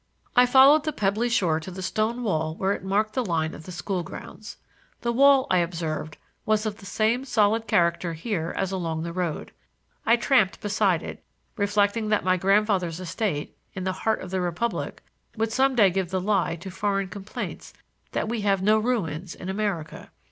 I followed the pebbly shore to the stone wall where it marked the line of the school grounds. The wall, I observed, was of the same solid character here as along the road. I tramped beside it, reflecting that my grandfather's estate, in the heart of the Republic, would some day give the lie to foreign complaints that we have no ruins in America.